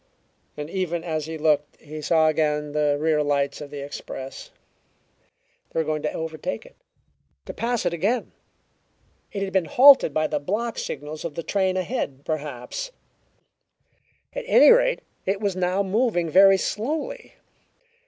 And even as he looked, he saw again the rear lights of the express. They were going to overtake it to pass it again. It had been halted by the block signals of the train ahead, perhaps at any rate it was now moving very slowly.